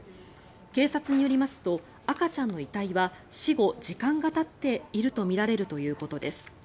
警察によりますと赤ちゃんの遺体は死後、時間がたっているとみられるということです。